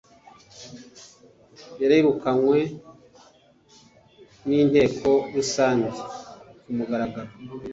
yirukanwe n inteko rusange kumugaragaro